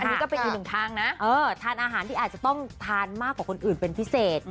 อันนี้ก็เป็นอีกหนึ่งทางนะทานอาหารที่อาจจะต้องทานมากกว่าคนอื่นเป็นพิเศษ